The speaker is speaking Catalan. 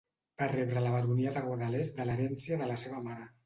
Va rebre la baronia de Guadalest de l'herència de la seva mare.